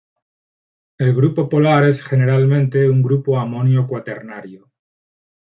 El grupo polar es generalmente un grupo amonio cuaternario.